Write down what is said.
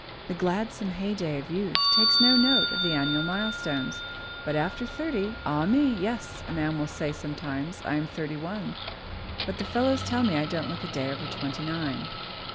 The gladsome heyday of youth takes no note of the annual milestones. But after thirty, ah me! "Yes," a man will say sometimes, "I am thirty one, but the fellows tell me I don't look a day over twenty nine."